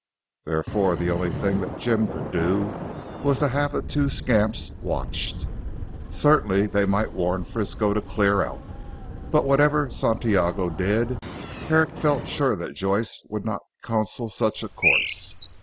Therefore the only thing that Jim could do was to have the two scamps watched. Certainly they might warn Frisco to clear out; but whatever Santiago did, Herrick felt sure that Joyce would not counsel such a course.